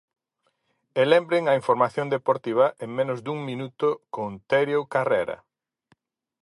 E lembren a información deportiva en menos dun minuto con Terio Carrera.